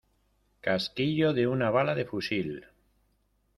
casquillo de una bala de fusil.